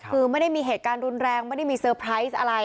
คือไม่ได้มีเหตุการณ์รุนแรงไม่ได้มีเซอร์ไพรส์อะไร